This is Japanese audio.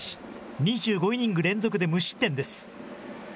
２５イニング連続で無失点です。